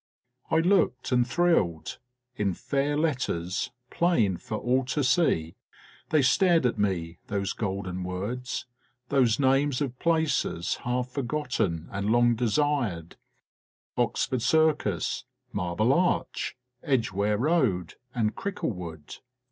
I looked and thrilled ; in fair letters, plain for all to see, they stared at me those golden words, those names of places half for gotten and long desired, Oxford Circus, Marble Arch, Edgware Road, and Cricklewood.